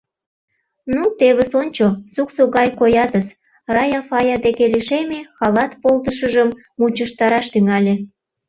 — Ну тевыс ончо, суксо гай коятыс, — Рая Фая деке лишеме, халат полдышыжым мучыштараш тӱҥале.